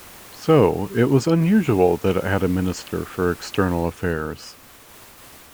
So, it was unusual that it had a Minister for External Affairs.